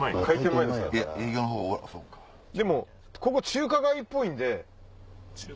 でもここ中華街っぽいんで。